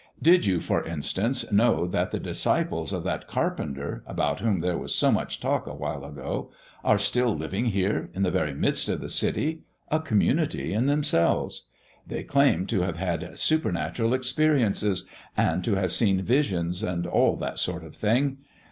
Did you, for instance, know that the disciples of that carpenter, about whom there was so much talk awhile ago, are still living here in the very midst of the city, a community in themselves? They claim to have had supernatural experiences and to have seen visions and all that sort of thing.